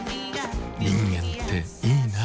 人間っていいナ。